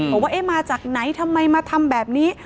ว่าเอ๊ะมาจากไหนทำไมมาทำแบบนี้